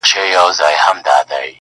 نه په كار مي دي تختونه هوسونه!.